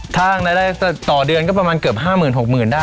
สร้างรายได้ต่อเดือนก็ประมาณเกือบ๕หมื่น๖หมื่นได้